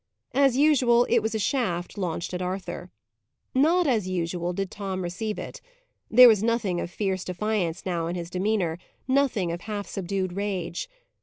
As usual, it was a shaft launched at Arthur. Not as usual did Tom receive it. There was nothing of fierce defiance now in his demeanour; nothing of half subdued rage.